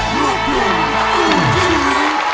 ลูกหลุมตรงจิน